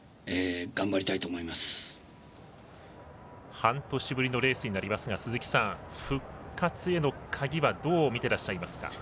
半年ぶりのレースになりますが復活への鍵はどう見てらっしゃいますか？